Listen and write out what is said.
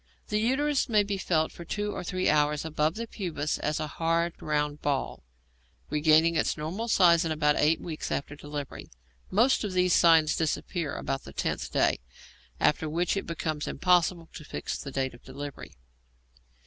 The uterus may be felt for two or three hours above the pubis as a hard round ball, regaining its normal size in about eight weeks after delivery. Most of these signs disappear about the tenth day, after which it becomes impossible to fix the date of delivery.